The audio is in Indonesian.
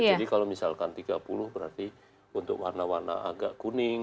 jadi kalau misalkan tiga puluh berarti untuk warna warna agak kuning